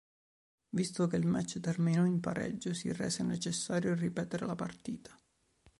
Visto che il match terminò in pareggio si rese necessario ripetere la partita.